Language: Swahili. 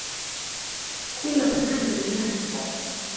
Kula kwa sana ni bulafi